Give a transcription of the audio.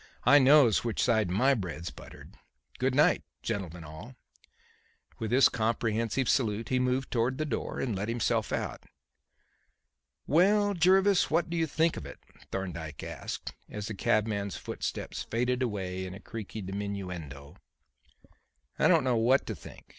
I knows which side my bread's buttered. Good night, gentlemen all." With this comprehensive salute he moved towards the door and let himself out. "Well, Jervis; what do you think of it?" Thorndyke asked, as the cabman's footsteps faded away in a creaky diminuendo. "I don't know what to think.